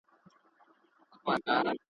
انارکلي! دا مرغلري اوښکي چاته ور وړې؟.